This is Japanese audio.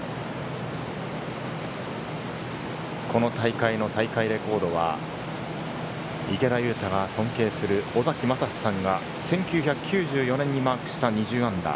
この大会の大会レコードは、池田勇太が尊敬する尾崎将司さんが１９９４年にマークした−２０。